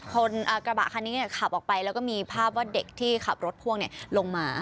กระบะคันนี้ขับออกไปแล้วก็มีภาพว่าเด็กที่ขับรถพ่วงลงมา